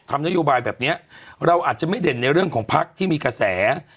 นโยบายแบบเนี้ยเราอาจจะไม่เด่นในเรื่องของพักที่มีกระแส